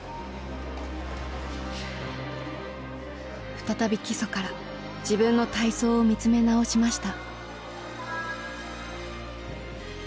再び基礎から自分の体操を見つめ直しました。